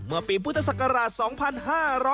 เมื่อปีพุทธศักราช๒๕๕๙